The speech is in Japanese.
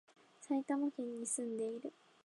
埼玉県に住んでいる